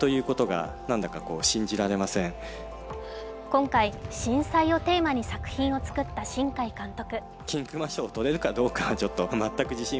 今回、震災をテーマに作品を作った新海監督。